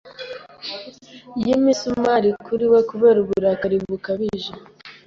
Y'imisumari kuri we kubera uburakari bukabije